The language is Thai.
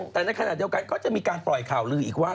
แต่ในขณะเดียวกันก็จะมีการปล่อยข่าวลืออีกว่า